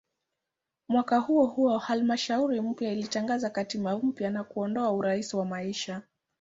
Mwaka huohuo halmashauri mpya ilitangaza katiba mpya na kuondoa "urais wa maisha".